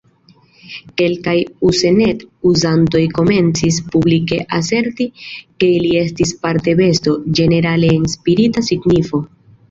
Kelkaj Usenet-uzantoj komencis publike aserti ke ili estis parte besto, ĝenerale en spirita signifo.